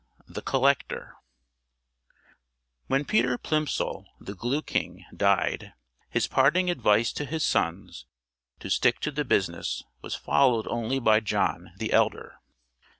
THE COLLECTOR When Peter Plimsoll, the Glue King, died, his parting advice to his sons to stick to the business was followed only by John, the elder.